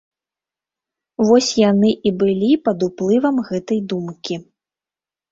Вось яны і былі пад уплывам гэтай думкі.